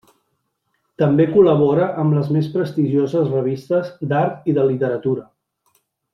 També col·labora amb les més prestigioses revistes d'art i de literatura.